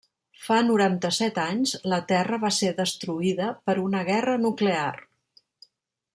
Fa noranta-set anys, la Terra va ser destruïda per una guerra nuclear.